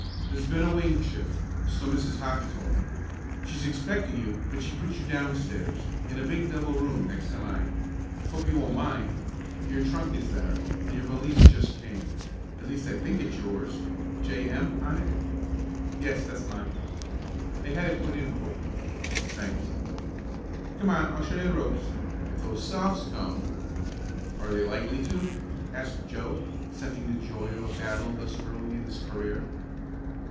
"There's been a wing shift, so Mrs. Hoppy told me. She's expecting you, but she's put you downstairs, in a big double room next to mine. Hope you won't mind. Your trunk is there, and your valise just came at least I think it's yours J. M. on it." "Yes, that's mine." "I had it put in for you." "Thanks." "Come on, and I'll show you the ropes. If those Sophs. come " "Are they likely to?" asked Joe, scenting the joy of a battle thus early in his career.